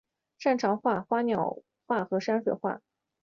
擅长画花鸟画和山水画。